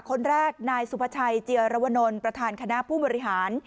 คนแรกนายสุภาชัยเจียรวนลประธานคณะผู้บริหาร